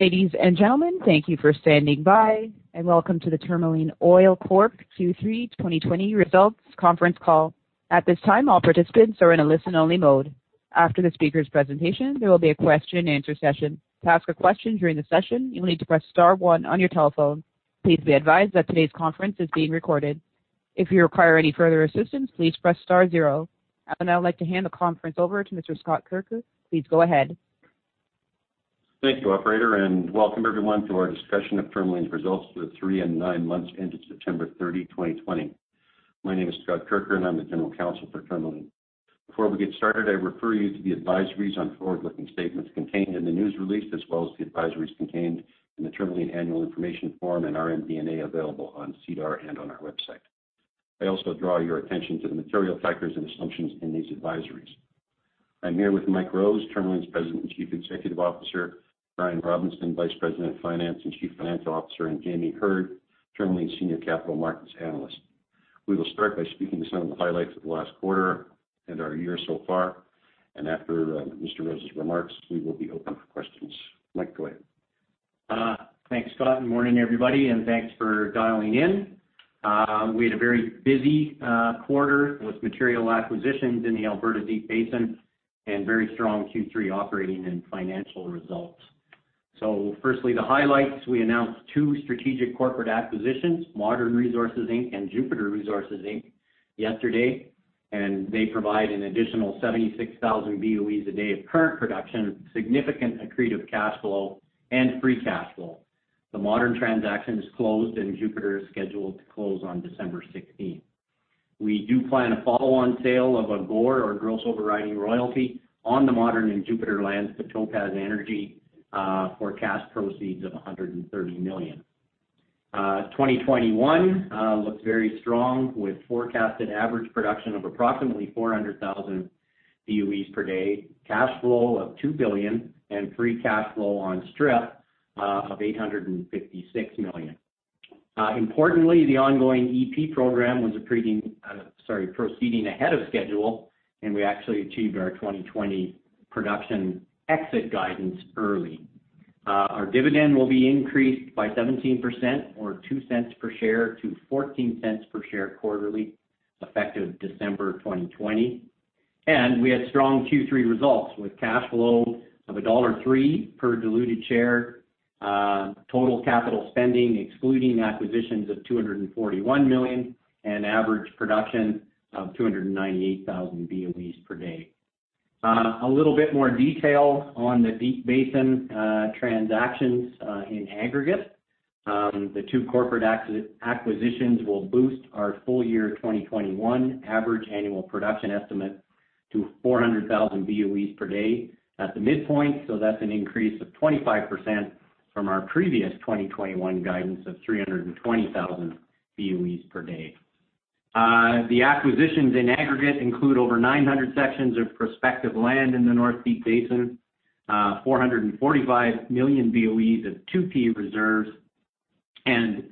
Ladies and gentlemen, thank you for standing by, and welcome to the Tourmaline Oil Corp. Q3 2020 results conference call. At this time, all participants are in a listen-only mode. After the speaker's presentation, there will be a question-and-answer session. To ask a question during the session, you'll need to press star one on your telephone. Please be advised that today's conference is being recorded. If you require any further assistance, please press star zero. I would now like to hand the conference over to Mr. Scott Kirker. Please go ahead. Thank you, Operator, and welcome everyone to our discussion of Tourmaline's results for the three and nine months ending September 30, 2020. My name is Scott Kirker, and I'm the General Counsel for Tourmaline. Before we get started, I refer you to the advisories on forward-looking statements contained in the news release, as well as the advisories contained in the Tourmaline annual information form and MD&A available on SEDAR and on our website. I also draw your attention to the material factors and assumptions in these advisories. I'm here with Mike Rose, Tourmaline's President and Chief Executive Officer, Brian Robinson, Vice President of Finance and Chief Financial Officer, and Jamie Heard, Tourmaline's Senior Capital Markets Analyst. We will start by speaking to some of the highlights of the last quarter and our year so far, and after Mr. Rose's remarks, we will be open for questions. Mike, go ahead. Thanks, Scott. Morning, everybody, and thanks for dialing in. We had a very busy quarter with material acquisitions in the Alberta Deep Basin and very strong Q3 operating and financial results. So firstly, the highlights: we announced two strategic corporate acquisitions, Modern Resources Inc. and Jupiter Resources Inc., yesterday, and they provide an additional 76,000 BOEs a day of current production, significant accretive cash flow, and free cash flow. The Modern transaction is closed, and Jupiter is scheduled to close on December 16th. We do plan a follow-on sale of a GORR, or Gross Overriding Royalty, on the Modern and Jupiter lands to Topaz Energy for cash proceeds of 130 million. 2021 looks very strong, with forecasted average production of approximately 400,000 BOEs per day, cash flow of 2 billion, and free cash flow on strip of 856 million. Importantly, the ongoing EP program was proceeding ahead of schedule, and we actually achieved our 2020 production exit guidance early. Our dividend will be increased by 17%, or $0.02 per share, to $0.14 per share quarterly, effective December 2020. And we had strong Q3 results with cash flow of $1.03 per diluted share, total capital spending excluding acquisitions of 241 million, and average production of 298,000 BOEs per day. A little bit more detail on the Deep Basin transactions in aggregate: the two corporate acquisitions will boost our full year 2021 average annual production estimate to 400,000 BOEs per day at the midpoint, so that's an increase of 25% from our previous 2021 guidance of 320,000 BOEs per day. The acquisitions in aggregate include over 900 sections of prospective land in the North Deep Basin, 445 million BOEs of 2P reserves, and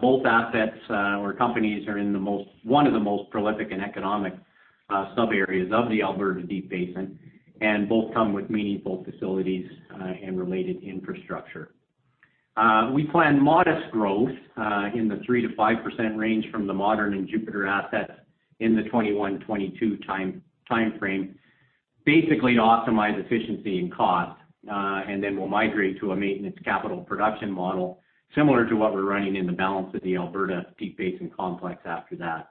both assets or companies are in one of the most prolific and economic subareas of the Alberta Deep Basin, and both come with meaningful facilities and related infrastructure. We plan modest growth in the 3%-5% range from the Modern and Jupiter assets in the 2021-2022 timeframe, basically to optimize efficiency and cost, and then we'll migrate to a maintenance capital production model similar to what we're running in the balance of the Alberta Deep Basin complex after that.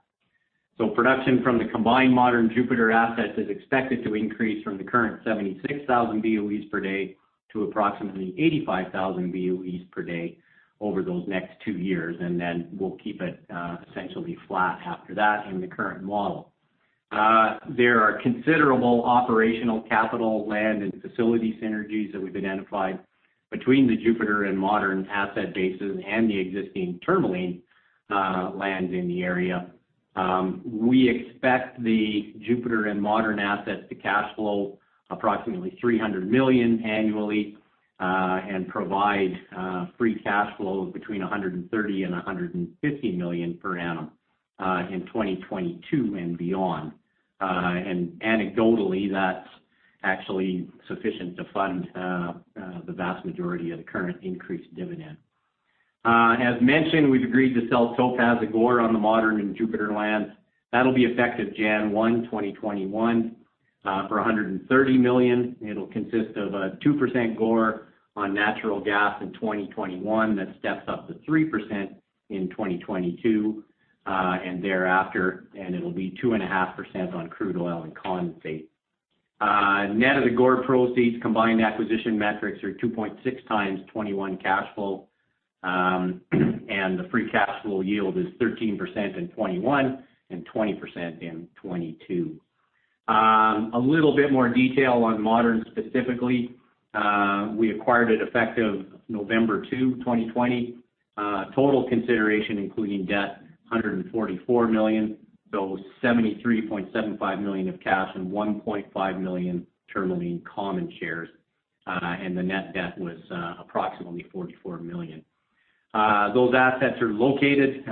So production from the combined Modern Jupiter assets is expected to increase from the current 76,000 BOEs per day to approximately 85,000 BOEs per day over those next two years, and then we'll keep it essentially flat after that in the current model. There are considerable operational capital, land, and facility synergies that we've identified between the Jupiter and Modern asset bases and the existing Tourmaline lands in the area. We expect the Jupiter and Modern assets to cash flow approximately 300 million annually and provide free cash flow of between 130 million and 150 million per annum in 2022 and beyond. And anecdotally, that's actually sufficient to fund the vast majority of the current increased dividend. As mentioned, we've agreed to sell Topaz a GORR on the Modern and Jupiter lands. That'll be effective January 1, 2021, for 130 million. It'll consist of a 2% GORR on natural gas in 2021 that steps up to 3% in 2022 and thereafter, and it'll be 2.5% on crude oil and condensate. Net of the GORR proceeds, combined acquisition metrics are 2.6x 2021 cash flow, and the free cash flow yield is 13% in 2021 and 20% in 2022. A little bit more detail on Modern specifically: we acquired it effective November 2, 2020. Total consideration, including debt, 144 million, so 73.75 million of cash and 1.5 million Tourmaline common shares, and the net debt was approximately 44 million. Those assets are located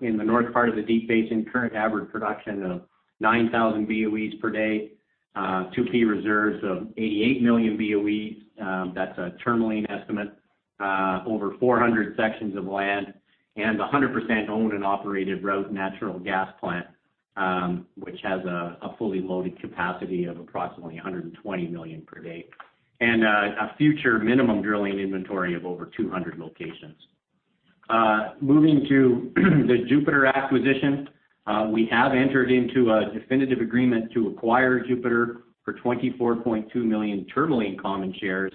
in the north part of the Deep Basin, current average production of 9,000 BOEs per day, 2P reserves of 88 million BOEs—that's a Tourmaline estimate—over 400 sections of land, and a 100% owned and operated Roots Natural Gas Plant, which has a fully loaded capacity of approximately 120 million per day, and a future minimum drilling inventory of over 200 locations. Moving to the Jupiter acquisition, we have entered into a definitive agreement to acquire Jupiter for 24.2 million Tourmaline common shares,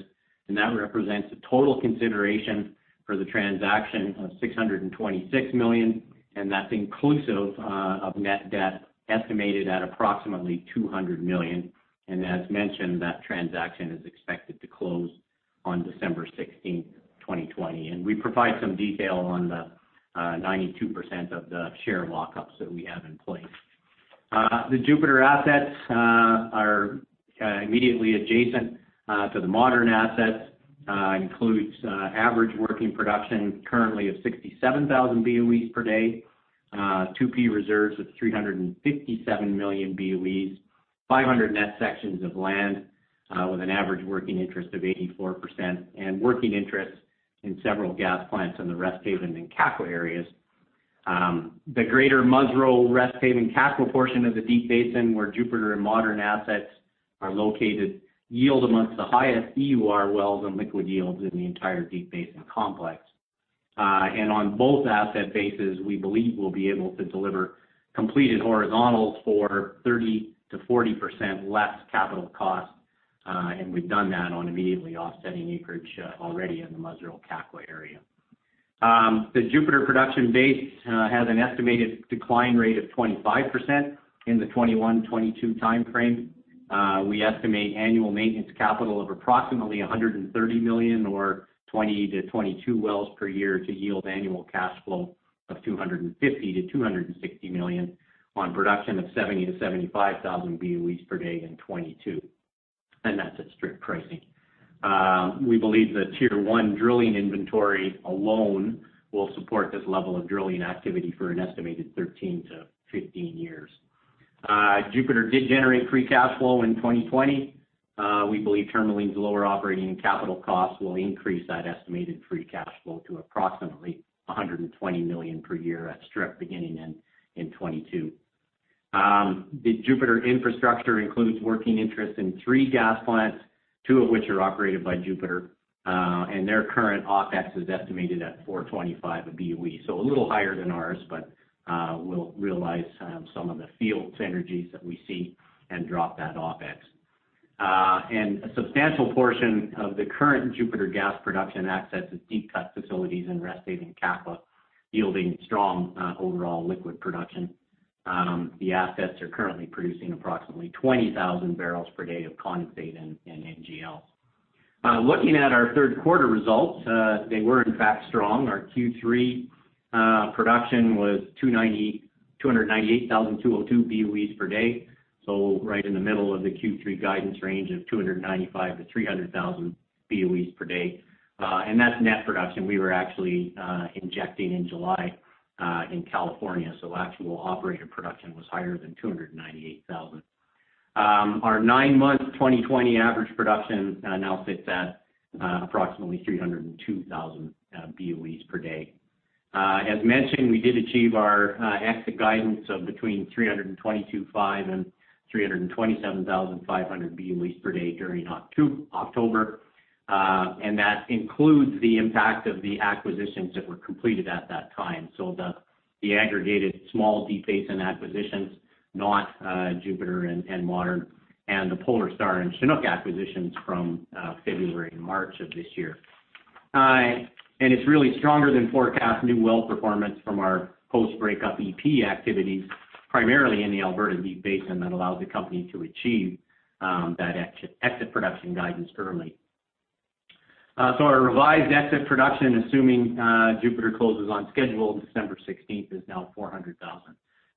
and that represents a total consideration for the transaction of 626 million, and that's inclusive of net debt estimated at approximately 200 million. And as mentioned, that transaction is expected to close on December 16, 2020, and we provide some detail on the 92% of the share lockups that we have in place. The Jupiter assets are immediately adjacent to the Modern assets, includes average working production currently of 67,000 BOEs per day, 2P reserves of 357 million BOEs, 500 net sections of land with an average working interest of 84%, and working interest in several gas plants in the Resthaven and Kakwa areas. The greater Musreau Resthaven-Kakwa portion of the Deep Basin, where Jupiter and Modern assets are located, yield among the highest EUR wells and liquid yields in the entire Deep Basin complex. On both asset bases, we believe we'll be able to deliver completed horizontals for 30%-40% less capital cost, and we've done that on immediately offsetting acreage already in the Musreau-Kakwa area. The Jupiter production base has an estimated decline rate of 25% in the 2021-2022 timeframe. We estimate annual maintenance capital of approximately 130 million, or 20-22 wells per year, to yield annual cash flow of 250 million-260 million on production of 70,000-75,000 BOEs per day in 2022, and that's at strip pricing. We believe the Tier 1 drilling inventory alone will support this level of drilling activity for an estimated 13-15 years. Jupiter did generate free cash flow in 2020. We believe Tourmaline's lower operating capital costs will increase that estimated free cash flow to approximately 120 million per year at strip beginning in 2022. The Jupiter infrastructure includes working interest in three gas plants, two of which are operated by Jupiter, and their current OpEx is estimated at $4.25 a BOE, so a little higher than ours, but we'll realize some of the field synergies that we see and drop that OpEx. A substantial portion of the current Jupiter gas production access is deep cut facilities in Resthaven-Kakwa, yielding strong overall liquid production. The assets are currently producing approximately 20,000 barrels per day of condensate and NGL. Looking at our third quarter results, they were in fact strong. Our Q3 production was 298,202 BOEs per day, so right in the middle of the Q3 guidance range of 295,000-300,000 BOEs per day, and that's net production. We were actually injecting in July in California, so actual operator production was higher than 298,000. Our nine-month 2020 average production now sits at approximately 302,000 BOEs per day. As mentioned, we did achieve our exit guidance of between 322,500 and 327,500 BOEs per day during October, and that includes the impact of the acquisitions that were completed at that time, so the aggregated small Deep Basin acquisitions, not Jupiter and Modern, and the Polar Star and Chinook acquisitions from February and March of this year. It's really stronger than forecast new well performance from our post-breakup EP activities, primarily in the Alberta Deep Basin, that allowed the company to achieve that exit production guidance early. Our revised exit production, assuming Jupiter closes on schedule on December 16, is now 400,000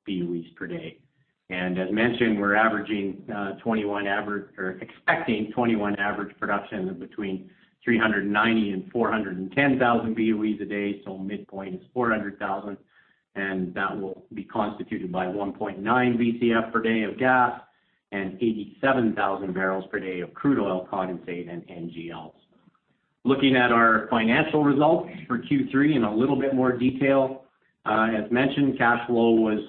BOEs per day. As mentioned, we're expecting 2021 average production of between 390,000 and 410,000 BOEs a day, so midpoint is 400,000, and that will be constituted by 1.9 BCF per day of gas and 87,000 barrels per day of crude oil condensate and NGLs. Looking at our financial results for Q3 in a little bit more detail, as mentioned, cash flow was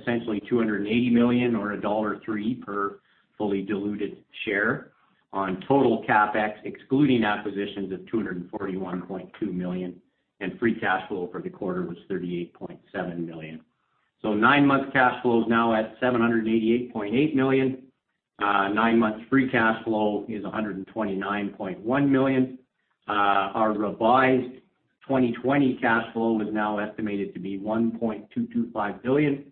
essentially 280 million, or dollar 1.03 per fully diluted share on total CapEx excluding acquisitions of 241.2 million, and free cash flow for the quarter was 38.7 million. Nine-month cash flow is now at 788.8 million. Nine-month free cash flow is 129.1 million. Our revised 2020 cash flow is now estimated to be 1.225 billion, and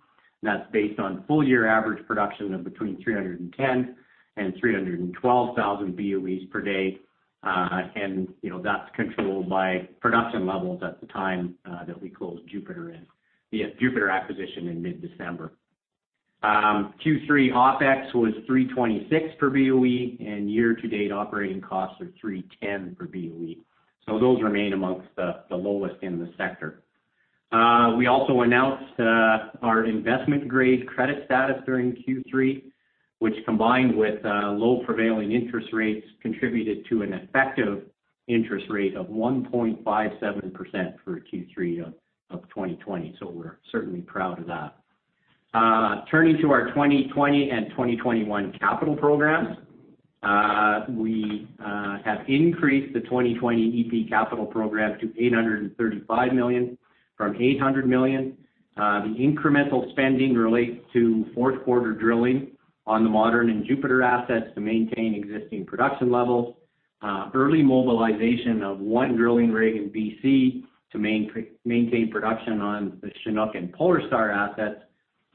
that's based on full year average production of between 310,000 and 312,000 BOEs per day, and that's controlled by production levels at the time that we closed Jupiter acquisition in mid-December. Q3 OpEx was 3.26 per BOE, and year-to-date operating costs are 3.10 per BOE, so those remain among the lowest in the sector. We also announced our investment-grade credit status during Q3, which, combined with low prevailing interest rates, contributed to an effective interest rate of 1.57% for Q3 of 2020, so we're certainly proud of that. Turning to our 2020 and 2021 capital programs, we have increased the 2020 EP capital program to 835 million from 800 million. The incremental spending relates to fourth quarter drilling on the Modern and Jupiter assets to maintain existing production levels, early mobilization of one drilling rig in BC to maintain production on the Chinook and Polar Star assets,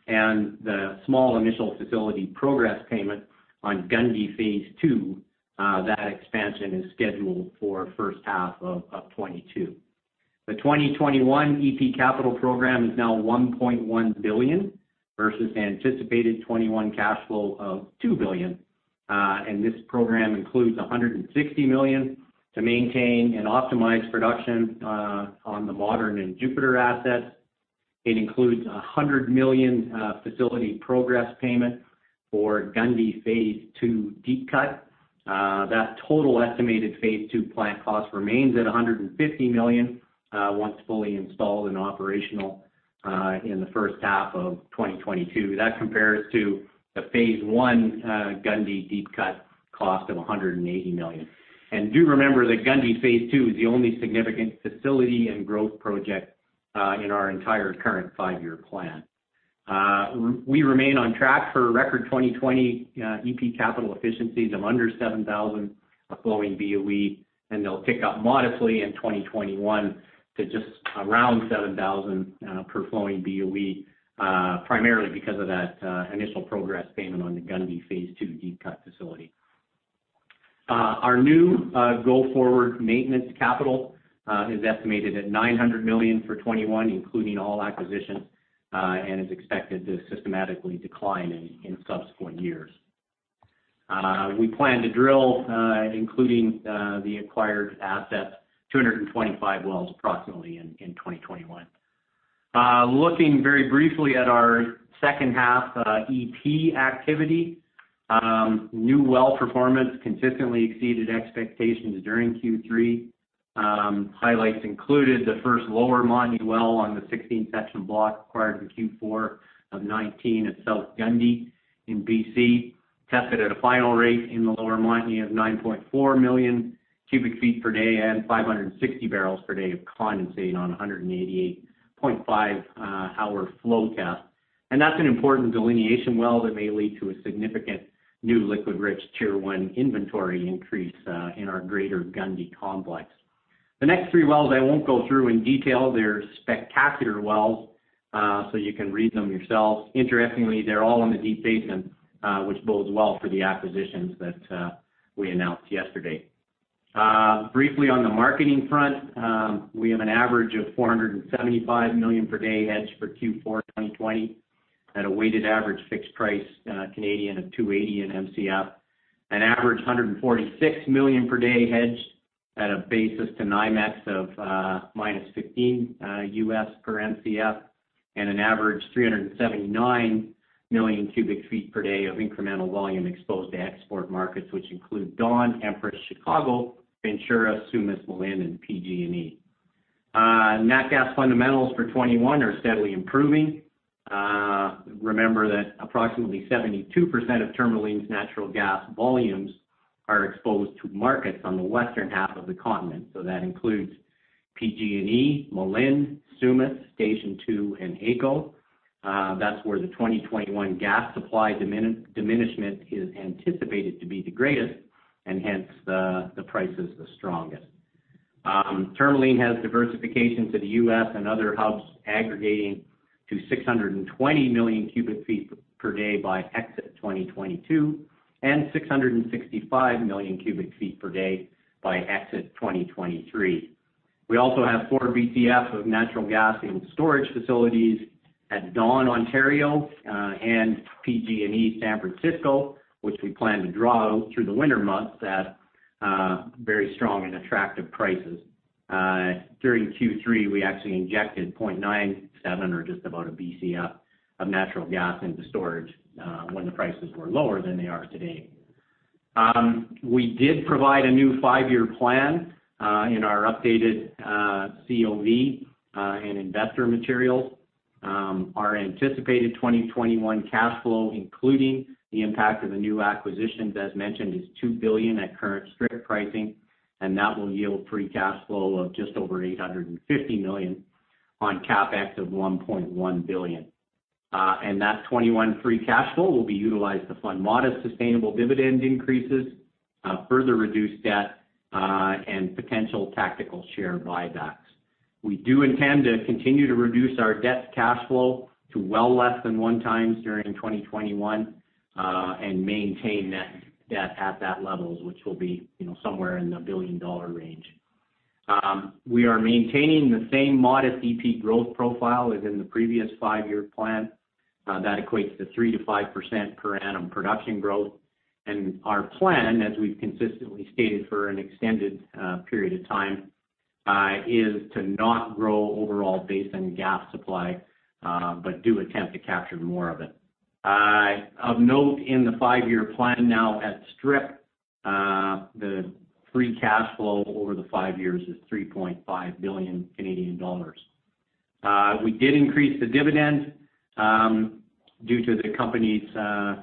and the small initial facility progress payment on Gundy Phase II. That expansion is scheduled for first half of 2022. The 2021 EP capital program is now 1.1 billion versus anticipated 2021 cash flow of 2 billion, and this program includes 160 million to maintain and optimize production on the Modern and Jupiter assets. It includes 100 million facility progress payment for Gundy Phase II deep cut. That total estimated phase II plant cost remains at 150 million once fully installed and operational in the first half of 2022. That compares to the phase I Gundy deep cut cost of 180 million. And do remember that Gundy Phase II is the only significant facility and growth project in our entire current five-year plan. We remain on track for record 2020 EP capital efficiencies of under 7,000 a flowing BOE, and they'll tick up modestly in 2021 to just around 7,000 per flowing BOE, primarily because of that initial progress payment on the Gundy Phase II deep cut facility. Our new go-forward maintenance capital is estimated at 900 million for 2021, including all acquisitions, and is expected to systematically decline in subsequent years. We plan to drill, including the acquired assets, 225 wells approximately in 2021. Looking very briefly at our second half EP activity, new well performance consistently exceeded expectations during Q3. Highlights included the first lower Montney well on the 16-section block acquired in Q4 of 2019 at South Gundy in BC, tested at a final rate in the lower Montney of 9.4 million cubic feet per day and 560 barrels per day of condensate on 188.5-hour flow test. And that's an important delineation well that may lead to a significant new liquid-rich Tier 1 inventory increase in our greater Gundy complex. The next three wells I won't go through in detail. They're spectacular wells, so you can read them yourselves. Interestingly, they're all in the Deep Basin, which bodes well for the acquisitions that we announced yesterday. Briefly on the marketing front, we have an average of 475 million per day hedge for Q4 2020 at a weighted average fixed price of 2.80 per MCF, an average 146 million per day hedge at a basis to NYMEX of -$0.15 USD per MCF, and an average 379 million cubic feet per day of incremental volume exposed to export markets, which include Dawn, Empress, Chicago, Ventura, Sumas, Malin, and PG&E. Natural gas fundamentals for 2021 are steadily improving. Remember that approximately 72% of Tourmaline's natural gas volumes are exposed to markets on the western half of the continent, so that includes PG&E, Malin, Sumas, Station 2, and AECO. That's where the 2021 gas supply diminishment is anticipated to be the greatest, and hence the price is the strongest. Tourmaline has diversification to the U.S. and other hubs, aggregating to 620 million cubic feet per day by exit 2022 and 665 million cubic feet per day by exit 2023. We also have four BCF of natural gas in storage facilities at Dawn, Ontario, and PG&E San Francisco, which we plan to draw through the winter months at very strong and attractive prices. During Q3, we actually injected 0.97 or just about a BCF of natural gas into storage when the prices were lower than they are today. We did provide a new five-year plan in our updated COV and investor materials. Our anticipated 2021 cash flow, including the impact of the new acquisitions, as mentioned, is 2 billion at current strip pricing, and that will yield free cash flow of just over 850 million on CapEx of 1.1 billion. That 2021 free cash flow will be utilized to fund modest sustainable dividend increases, further reduce debt, and potential tactical share buybacks. We do intend to continue to reduce our debt to cash flow to well less than one times during 2021 and maintain that debt at that level, which will be somewhere in the billion-dollar range. We are maintaining the same modest EP growth profile as in the previous five-year plan. That equates to 3%-5% per annum production growth. Our plan, as we've consistently stated for an extended period of time, is to not grow overall basin gas supply but do attempt to capture more of it. Of note, in the five-year plan now at strip, the free cash flow over the five years is 3.5 billion Canadian dollars. We did increase the dividend due to the company's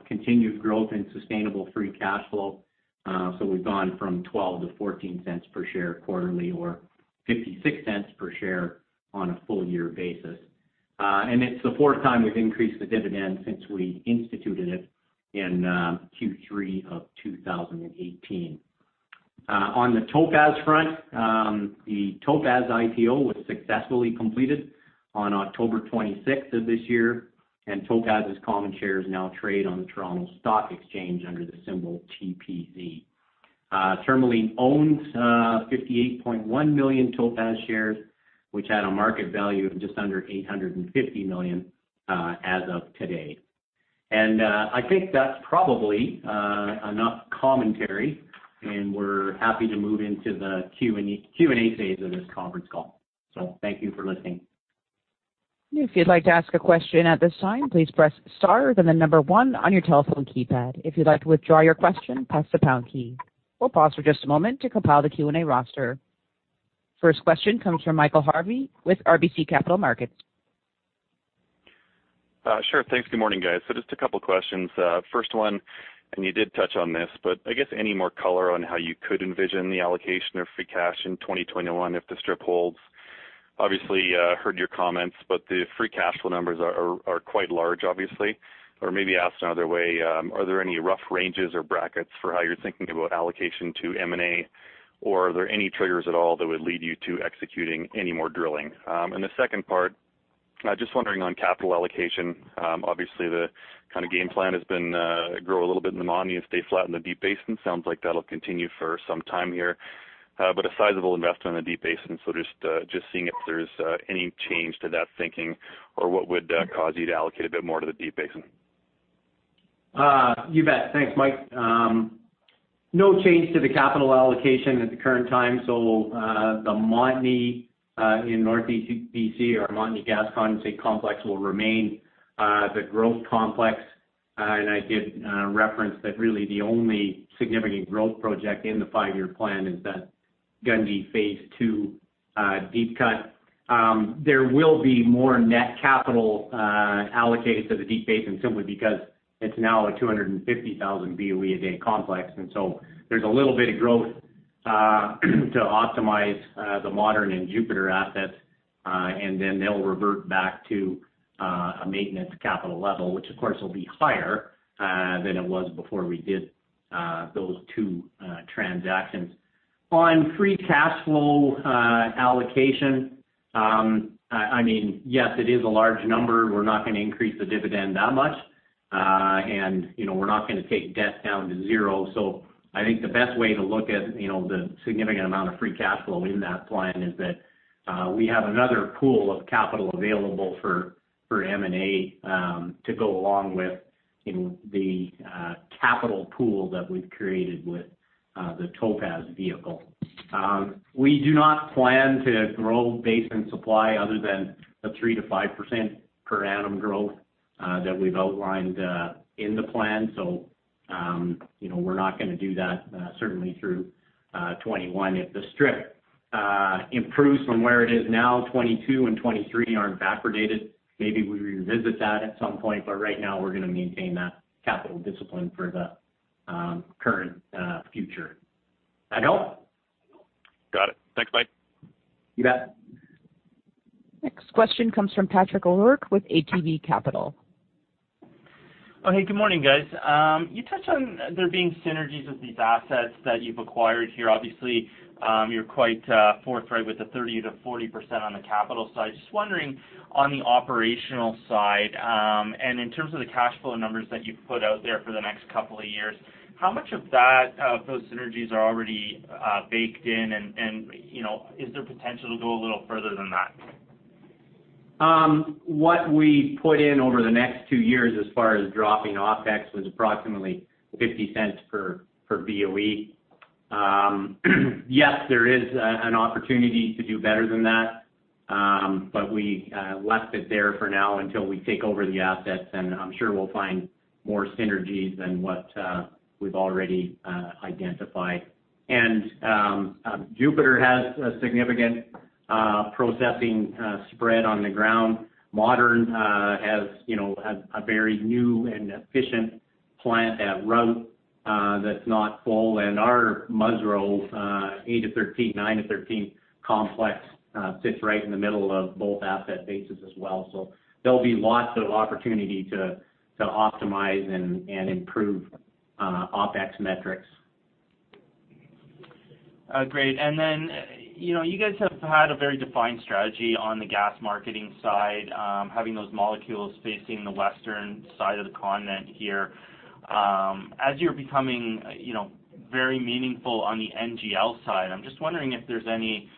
continued growth in sustainable free cash flow, so we've gone from 0.12 to 0.14 per share quarterly or 0.56 per share on a full year basis. And it's the fourth time we've increased the dividend since we instituted it in Q3 of 2018. On the Topaz front, the Topaz IPO was successfully completed on October 26 of this year, and Topaz's common shares now trade on the Toronto Stock Exchange under the symbol TPZ. Tourmaline owns 58.1 million Topaz shares, which had a market value of just under 850 million as of today. And I think that's probably enough commentary, and we're happy to move into the Q&A phase of this conference call. So thank you for listening. If you'd like to ask a question at this time, please press star then the number one on your telephone keypad. If you'd like to withdraw your question, press the pound key. We'll pause for just a moment to compile the Q&A roster. First question comes from Michael Harvey with RBC Capital Markets. Sure. Thanks. Good morning, guys. So just a couple of questions. First one, and you did touch on this, but I guess any more color on how you could envision the allocation of free cash in 2021 if the strip holds. Obviously, I heard your comments, but the free cash flow numbers are quite large, obviously. Or maybe asked another way, are there any rough ranges or brackets for how you're thinking about allocation to M&A, or are there any triggers at all that would lead you to executing any more drilling? And the second part, just wondering on capital allocation, obviously the kind of game plan has been to grow a little bit in the Montney and stay flat in the Deep Basin. Sounds like that'll continue for some time here, but a sizable investment in the Deep Basin. So just seeing if there's any change to that thinking or what would cause you to allocate a bit more to the Deep Basin? You bet. Thanks, Mike. No change to the capital allocation at the current time, so the Montney in Northeast BC or Montney gas condensate complex will remain the growth complex. I did reference that really the only significant growth project in the five-year plan is that Gundy phase II deep cut. There will be more net capital allocated to the Deep Basin simply because it's now a 250,000 BOE a day complex. So there's a little bit of growth to optimize the Modern and Jupiter assets, and then they'll revert back to a Maintenance Capital level, which, of course, will be higher than it was before we did those two transactions. On free cash flow allocation, I mean, yes, it is a large number. We're not going to increase the dividend that much, and we're not going to take debt down to zero. So I think the best way to look at the significant amount of free cash flow in that plan is that we have another pool of capital available for M&A to go along with the capital pool that we've created with the Topaz vehicle. We do not plan to grow basin supply other than a 3%-5% per annum growth that we've outlined in the plan. So we're not going to do that, certainly through 2021. If the strip improves from where it is now, 2022 and 2023 aren't backwardated, maybe we revisit that at some point, but right now we're going to maintain that capital discipline for the current future. That help? Got it. Thanks, Mike. You bet. Next question comes from Patrick O'Rourke with ATB Capital. Oh, hey. Good morning, guys. You touched on there being synergies with these assets that you've acquired here. Obviously, you're quite forthright with the 30%-40% on the capital. So I was just wondering on the operational side, and in terms of the cash flow numbers that you've put out there for the next couple of years, how much of those synergies are already baked in, and is there potential to go a little further than that? What we put in over the next two years as far as dropping OpEx was approximately 0.50 per BOE. Yes, there is an opportunity to do better than that, but we left it there for now until we take over the assets, and I'm sure we'll find more synergies than what we've already identified. And Jupiter has a significant processing spread on the ground. Modern has a very new and efficient plant at Roots that's not full, and our Musreau 8 to 13, 9 to 13 complex sits right in the middle of both asset bases as well. So there'll be lots of opportunity to optimize and improve OpEx metrics. Great. And then you guys have had a very defined strategy on the gas marketing side, having those molecules facing the western side of the continent here. As you're becoming very meaningful on the NGL side, I'm just wondering if there's any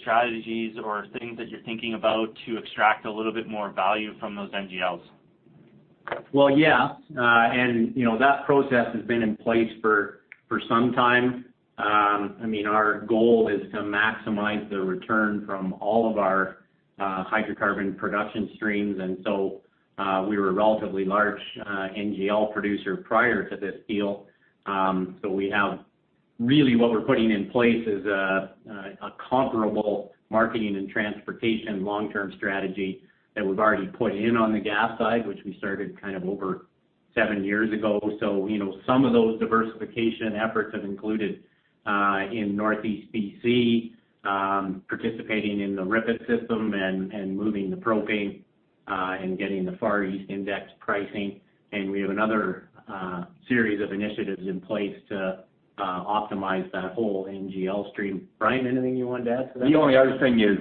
strategies or things that you're thinking about to extract a little bit more value from those NGLs. Yes. That process has been in place for some time. I mean, our goal is to maximize the return from all of our hydrocarbon production streams. So we were a relatively large NGL producer prior to this deal. We have really what we're putting in place is a comparable marketing and transportation long-term strategy that we've already put in on the gas side, which we started kind of over seven years ago. Some of those diversification efforts have included in Northeast BC participating in the RIPET system and moving the propane and getting the Far East Index pricing. We have another series of initiatives in place to optimize that whole NGL stream. Brian, anything you wanted to add to that? The only other thing is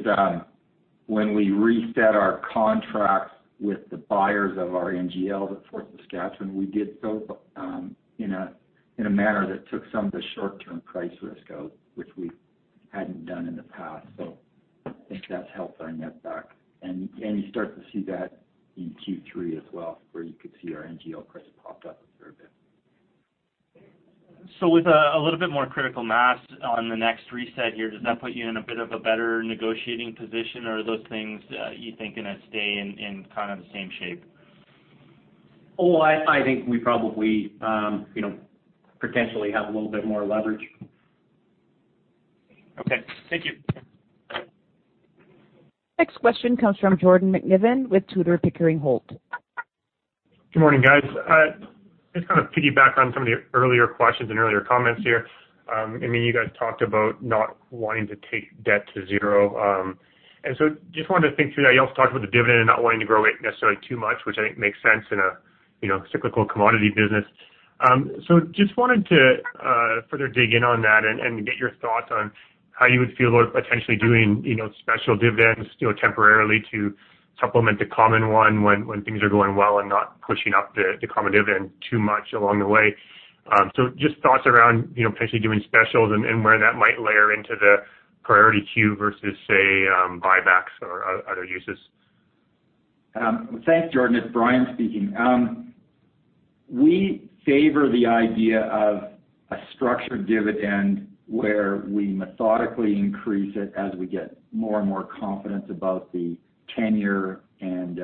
when we reset our contracts with the buyers of our NGLs at Fort Saskatchewan, we did so in a manner that took some of the short-term price risk out, which we hadn't done in the past. So I think that's helped our net back. And you start to see that in Q3 as well, where you could see our NGL price pop up a fair bit. So with a little bit more critical mass on the next reset here, does that put you in a bit of a better negotiating position, or are those things, you think, going to stay in kind of the same shape? Oh, I think we probably potentially have a little bit more leverage. Okay. Thank you. Next question comes from Jordan McNiven with Tudor, Pickering, Holt & Co. Good morning, guys. Just kind of piggyback on some of the earlier questions and earlier comments here. I mean, you guys talked about not wanting to take debt to zero, and so just wanted to think through that. You also talked about the dividend and not wanting to grow it necessarily too much, which I think makes sense in a cyclical commodity business, so just wanted to further dig in on that and get your thoughts on how you would feel about potentially doing special dividends temporarily to supplement the common one when things are going well and not pushing up the common dividend too much along the way, so just thoughts around potentially doing specials and where that might layer into the priority queue versus, say, buybacks or other uses. Thanks, Jordan. It's Brian speaking. We favor the idea of a structured dividend where we methodically increase it as we get more and more confidence about the tenure and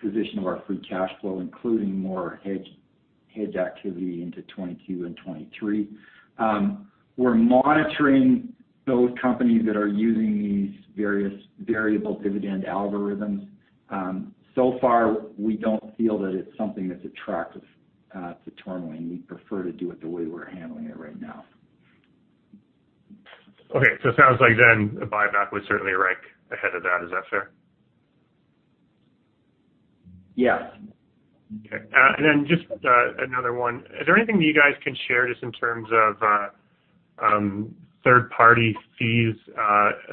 position of our free cash flow, including more hedge activity into 2022 and 2023. We're monitoring those companies that are using these various variable dividend algorithms. So far, we don't feel that it's something that's attractive to Tourmaline. We prefer to do it the way we're handling it right now. Okay. So it sounds like then a buyback would certainly rank ahead of that. Is that fair? Yes. Okay, and then just another one. Is there anything that you guys can share just in terms of third-party fees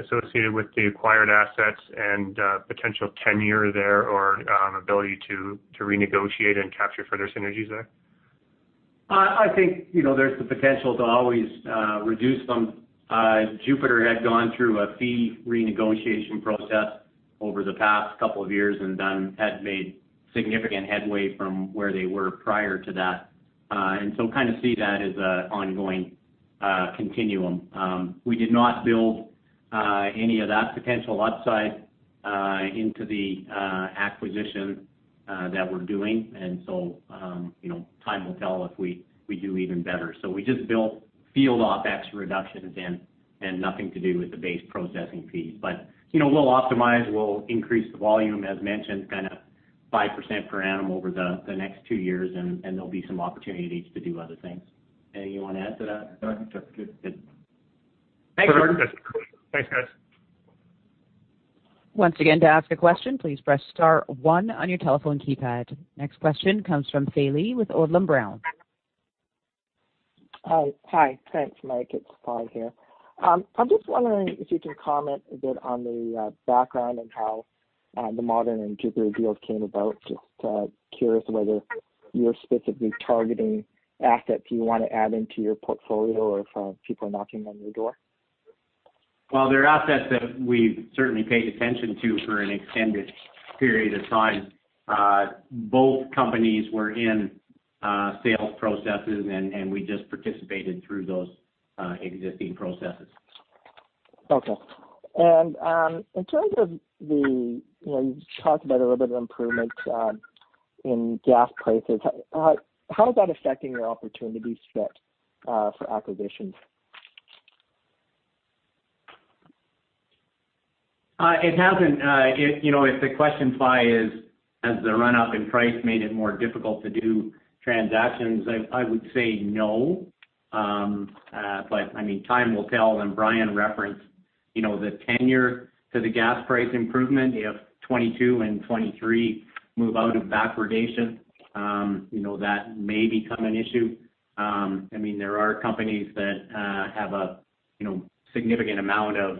associated with the acquired assets and potential tenure there or ability to renegotiate and capture further synergies there? I think there's the potential to always reduce them. Jupiter had gone through a fee renegotiation process over the past couple of years and then had made significant headway from where they were prior to that. And so kind of see that as an ongoing continuum. We did not build any of that potential upside into the acquisition that we're doing. And so time will tell if we do even better. So we just built field OpEx reductions and nothing to do with the base processing fees. But we'll optimize. We'll increase the volume, as mentioned, kind of 5% per annum over the next two years, and there'll be some opportunities to do other things. Anything you want to add to that? No, I think that's good. Thanks, Jordan. Thanks, guys. Once again, to ask a question, please press star one on your telephone keypad. Next question comes from Fai Lee with Odlum Brown. Hi. Thanks, Mike. It's Bonnie here. I'm just wondering if you can comment a bit on the background and how the Modern and Jupiter deals came about. Just curious whether you're specifically targeting assets you want to add into your portfolio or if people are knocking on your door. They're assets that we've certainly paid attention to for an extended period of time. Both companies were in sales processes, and we just participated through those existing processes. Okay, and in terms of the, you talked about a little bit of improvement in gas prices. How is that affecting your opportunity split for acquisitions? It hasn't. If the question's why is, has the run-up in price made it more difficult to do transactions? I would say no. But I mean, time will tell. And Brian referenced the tenor of the gas price improvement. If 2022 and 2023 move out of backwardation, that may become an issue. I mean, there are companies that have a significant amount of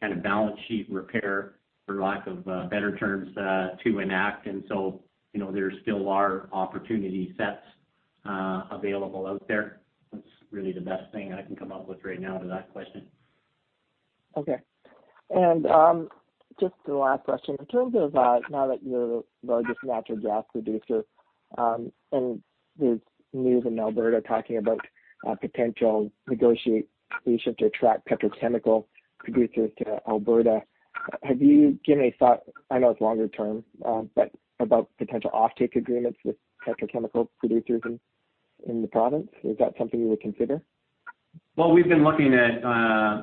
kind of balance sheet repair, for lack of better terms, to enact. And so there still are opportunity sets available out there. That's really the best thing I can come up with right now to that question. Okay. And just the last question. In terms of now that you're the largest natural gas producer and there's news in Alberta talking about potential negotiation to attract petrochemical producers to Alberta, have you given a thought - I know it's longer term - but about potential offtake agreements with petrochemical producers in the province? Is that something you would consider? We've been looking at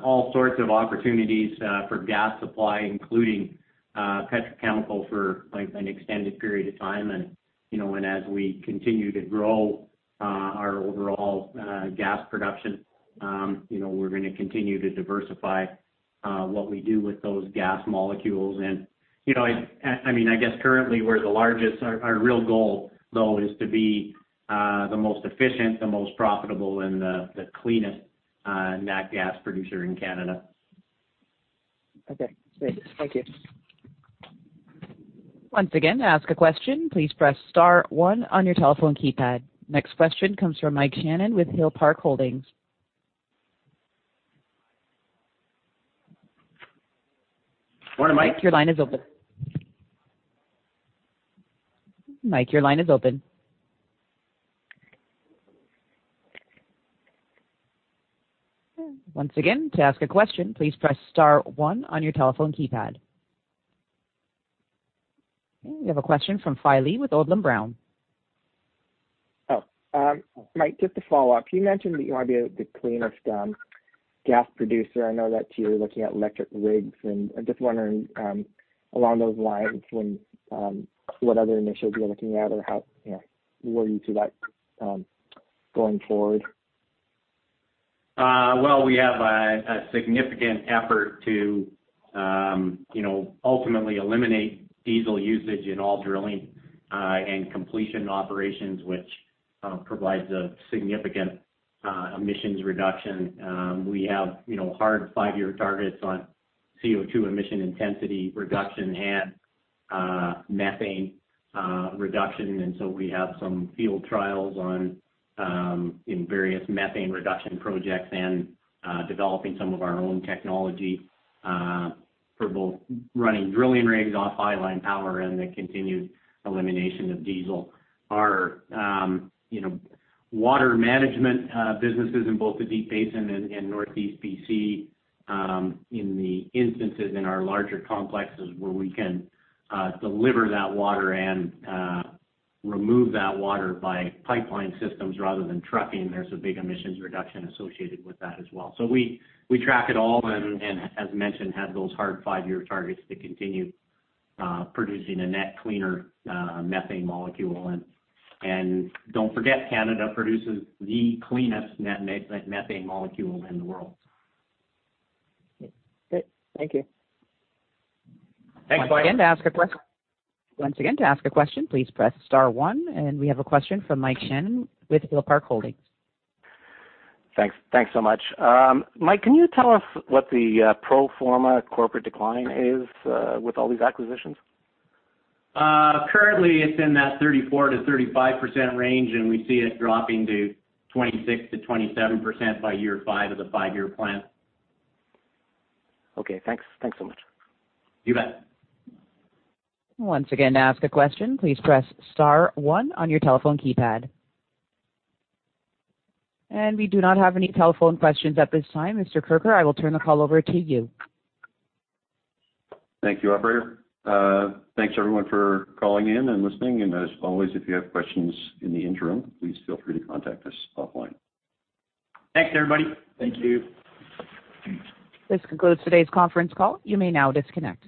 all sorts of opportunities for gas supply, including petrochemical, for an extended period of time. As we continue to grow our overall gas production, we're going to continue to diversify what we do with those gas molecules. I mean, I guess currently we're the largest. Our real goal, though, is to be the most efficient, the most profitable, and the cleanest net gas producer in Canada. Okay. Great. Thank you. Once again, to ask a question, please press star one on your telephone keypad. Next question comes from Mike Shannon with Hill Park Holdings. Morning, Mike. Your line is open. Mike, your line is open. Once again, to ask a question, please press star one on your telephone keypad. Okay. We have a question from Fai Lee with Odlum Brown. Oh, Mike, just to follow up, you mentioned that you want to be the cleanest gas producer. I know that you're looking at electric rigs. And I'm just wondering, along those lines, what other initiatives you're looking at, or how will you do that going forward? We have a significant effort to ultimately eliminate diesel usage in all drilling and completion operations, which provides a significant emissions reduction. We have hard five-year targets on CO2 emission intensity reduction and methane reduction. So we have some field trials in various methane reduction projects and developing some of our own technology for both running drilling rigs off highline power and the continued elimination of diesel. Our water management businesses in both the Deep Basin and Northeast BC, in the instances in our larger complexes where we can deliver that water and remove that water by pipeline systems rather than trucking, there's a big emissions reduction associated with that as well. So we track it all and, as mentioned, have those hard five-year targets to continue producing a net cleaner methane molecule. Don't forget, Canada produces the cleanest net methane molecule in the world. Great. Thank you. Thanks, Brian. Once again, to ask a question. Once again, to ask a question, please press star one. And we have a question from Mike Shannon with Hill Park Holdings. Thanks. Thanks so much. Mike, can you tell us what the pro forma corporate decline is with all these acquisitions? Currently, it's in that 34%-35% range, and we see it dropping to 26%-27% by year five of the five-year plan. Okay. Thanks. Thanks so much. You bet. Once again, to ask a question, please press star one on your telephone keypad. And we do not have any telephone questions at this time. Mr. Kirker, I will turn the call over to you. Thank you, operator. Thanks, everyone, for calling in and listening, and as always, if you have questions in the interim, please feel free to contact us offline. Thanks, everybody. Thank you. This concludes today's conference call. You may now disconnect.